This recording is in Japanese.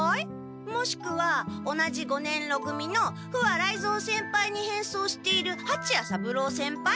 もしくは同じ五年ろ組の不破雷蔵先輩に変装しているはちや三郎先輩？